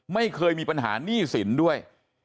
ไม่เคยมีปัญหาหนี้สินด้วย